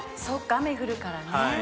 雨降るからね。